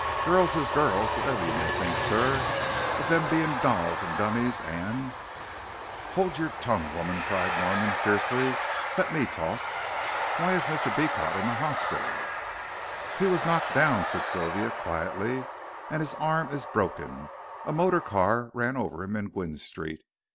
"Girls is girls whatever you may think, sir, of them being dolls and dummies and " "Hold your tongue, woman," cried Norman, fiercely, "let me talk. Why is Mr. Beecot in the hospital?" "He was knocked down," said Sylvia, quietly, "and his arm is broken. A motor car ran over him in Gwynne Street.